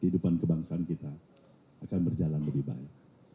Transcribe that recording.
kehidupan kebangsaan kita akan berjalan lebih baik